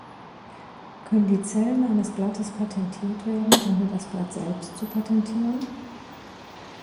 Können die Zellen eines Blattes patentiert werden, ohne das Blatt selbst zu patentieren?